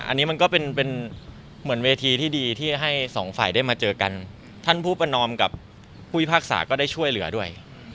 อันนี้มันก็เป็นเป็นเหมือนเวทีที่ดีที่ให้สองฝ่ายได้มาเจอกันท่านผู้ประนอมกับผู้พิพากษาก็ได้ช่วยเหลือด้วย